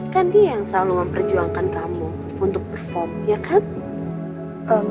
kan dia yang selalu memperjuangkan kamu untuk perform ya kan